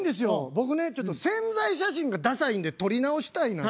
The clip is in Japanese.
僕ねちょっと宣材写真がダサいんで撮り直したいのよ。